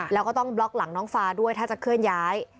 แล้วก็ต้องบล็อกหลังน้องฟาด้วยถ้าจะเคลื่อนย้าย